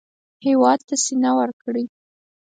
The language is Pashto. هېواد ته سینه ورکړئ